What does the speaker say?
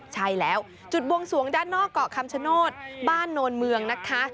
ใช่แล้วจุดบวงสวงด้านนอกเกาะคำชโนธบ้านโนนเมืองนะคะ